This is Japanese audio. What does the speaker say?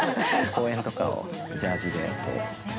公園とかをジャージで。